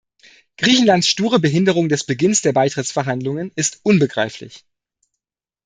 Griechenlands sture Behinderung des Beginns der Beitrittsverhandlungen ist unbegreiflich.